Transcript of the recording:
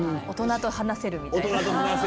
大人と話せるとか。